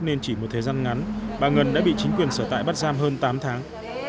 nên chỉ một thời gian ngắn bà ngân đã bị chính quyền sở tại bắt giam hơn tám tháng